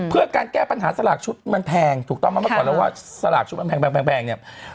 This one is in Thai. เพื่อการแก้ปัญหาสลากชุดมันแพงถูกต้องไหมเมื่อก่อนแล้วว่าสลากชุดมันแพงเนี่ย